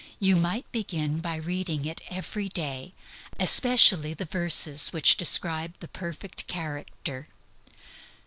You might begin by reading it every day, especially the verses which describe the perfect character.